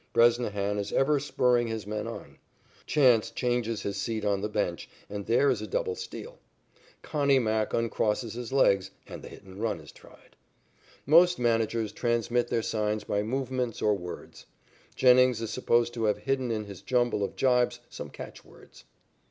Bresnahan is ever spurring his men on. Chance changes his seat on the bench, and there is a double steal. "Connie" Mack uncrosses his legs, and the hit and run is tried. Most managers transmit their signs by movements or words. Jennings is supposed to have hidden in his jumble of jibes some catch words.